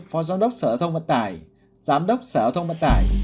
phó giám đốc sở hợp thông vận tải giám đốc sở hợp thông vận tải